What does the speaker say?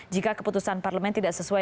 jika keputusan parlemen tidak sesuai